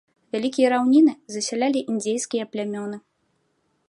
Вялікія раўніны засялялі індзейскія плямёны.